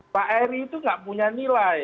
pak eri itu nggak punya nilai